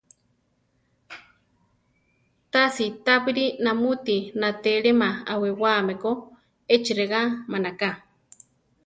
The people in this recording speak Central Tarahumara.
Tasi tábiri namúti natélema awiwáame ko, echi regá manaká.